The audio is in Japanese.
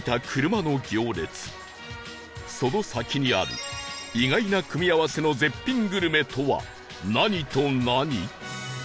その先にある意外な組み合わせの絶品グルメとは何と何？